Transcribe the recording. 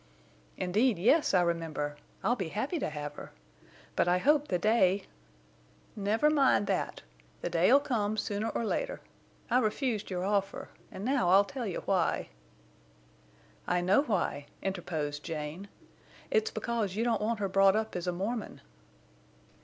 "Indeed yes, I remember. I'll be happy to have her. But I hope the day—" "Never mind that. The day'll come—sooner or later. I refused your offer, and now I'll tell you why." "I know why," interposed Jane. "It's because you don't want her brought up as a Mormon."